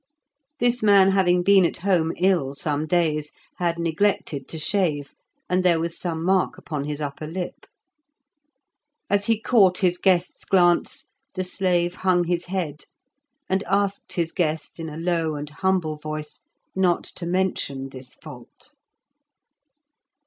This man having been at home ill some days had neglected to shave, and there was some mark upon his upper lip. As he caught his guest's glance, the slave hung his head, and asked his guest in a low and humble voice not to mention this fault.